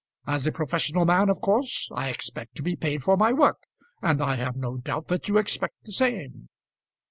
As a professional man, of course I expect to be paid for my work; and I have no doubt that you expect the same."